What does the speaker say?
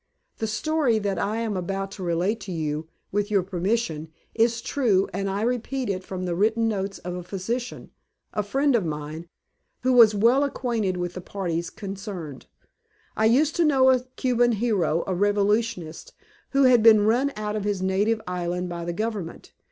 The story that I am about to relate to you, with your permission, is true, and I repeat it from the written notes of a physician a friend of mine who was well acquainted with the parties concerned: "I used to know a Cuban hero a revolutionist who had been run out of his native island by the government.